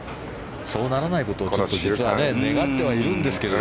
そうならないことを実は願ってはいるんですが。